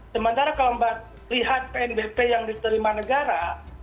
sementara kalau lihat pnbp yang diterima negara